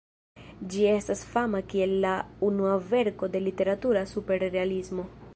Ĝi estas fama kiel la unua verko de literatura Superrealismo.